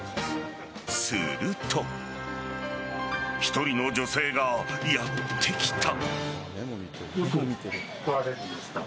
すると１人の女性がやってきた。